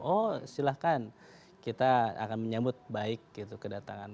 oh silahkan kita akan menyambut baik gitu kedatangan